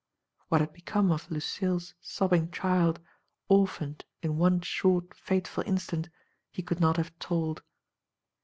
What had become of Lucille's sobbing child, orphaned, in one short, fateful instant, he could not have told.